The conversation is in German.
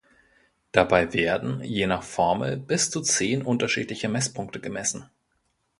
Dabei werden, je nach Formel, bis zu zehn unterschiedliche Messpunkte gemessen.